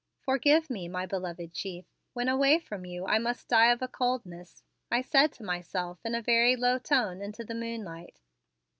"Forgive me, my beloved chief. When away from you I must die of a coldness," I said to myself in a very low tone into the moonlight.